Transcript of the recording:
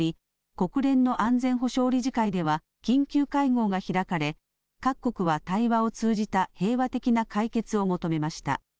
国連の安全保障理事会では緊急会合が開かれ各国は対話を通じた平和的な解決を求めました。